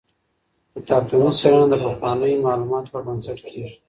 کتابتوني څېړنه د پخوانیو معلوماتو پر بنسټ کیږي.